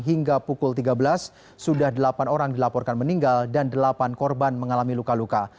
hingga pukul tiga belas sudah delapan orang dilaporkan meninggal dan delapan korban mengalami luka luka